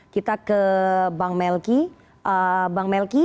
kita ke bang melki